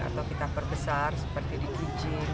atau kita perbesar seperti di kucing